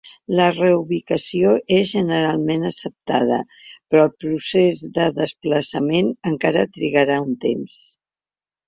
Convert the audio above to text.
La reubicació és generalment acceptada, però el procés de desplaçament encara trigarà un temps.